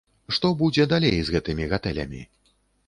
Што будзе далей з гэтымі гатэлямі?